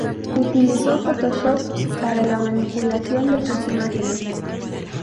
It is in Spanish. Utilizó Photoshop para la manipulación de sus imágenes.